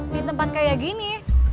di tempat kayak gini